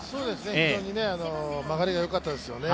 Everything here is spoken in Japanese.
非常に曲がりがよかったですよね。